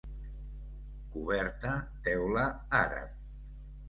Coberta teula àrab.